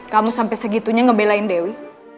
kamu sampai segitunya ngebelain dewi